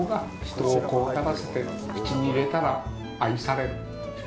人を怖がらせて、口に入れたら愛される。